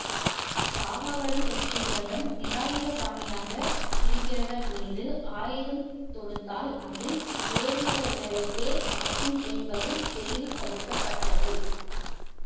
சாகாவரம் பெற்றிருந்தவன் நிராயுத பாணியாக இருக்கிறவர் மீது ஆயுதம் தொடுத்தால் அது ஏவியவர்களையே தாக்கும் என்பது தெளிவுபடுத்தப்பட்டது.